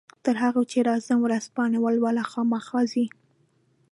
تر هغو چې راځم ورځپاڼې ولوله، خامخا ځې؟